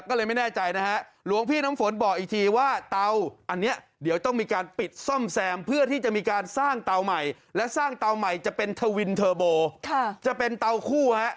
คราวนี้พอเป็นเถาคู่๘